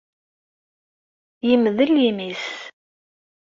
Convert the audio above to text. Yemdel imi-s.